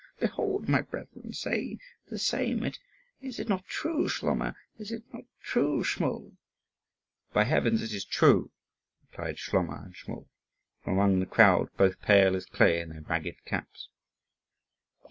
Behold, my brethren, say the same! Is it not true, Schloma? is it not true, Schmul?" "By heavens, it is true!" replied Schloma and Schmul, from among the crowd, both pale as clay, in their ragged caps.